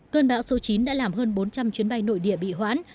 cơn bão số chín đã làm hơn bốn trăm linh chuyến bay nội địa bị hoãn